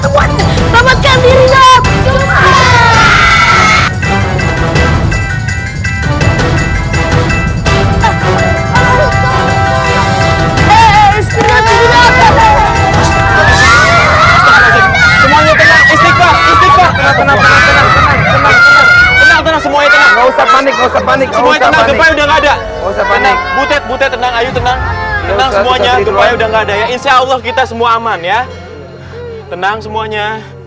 semuanya tenang tenang semuanya kita semua aman ya tenang semuanya